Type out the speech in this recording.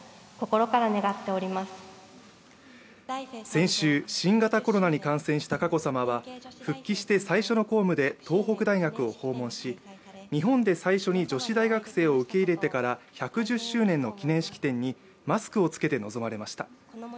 先週、新型コロナに感染した佳子さまは復帰して最初の公務で東北大学を訪問し、日本で最初に女子大学生を受け入れてから１１０周年の記念式典にマスクを着けて臨まれました。